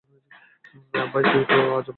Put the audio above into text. ভাই, তুই তো আজব মানুষ।